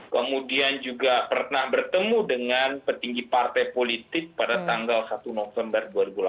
kemudian juga pernah bertemu dengan petinggi partai politik pada tanggal satu november dua ribu delapan belas